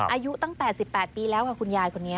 อายุตั้ง๘๘ปีแล้วค่ะคุณยายคนนี้